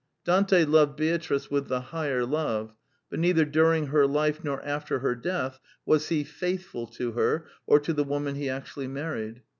Dante loved Beatrice with the higher love; but neither during her life nor after her death was he " faithful " to her or to the woman he actually married.